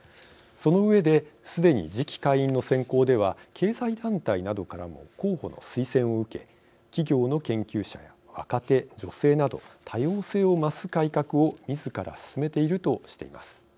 その上ですでに次期会員の選考では経済団体などからも候補の推薦を受け企業の研究者や若手、女性など多様性を増す改革をみずから進めているとしています。